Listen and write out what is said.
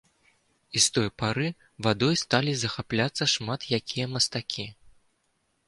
І з той пары вадой сталі захапляцца шмат якія мастакі.